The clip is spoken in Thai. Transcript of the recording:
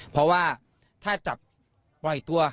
เพราะว่าถ้าจับปล่อยตัว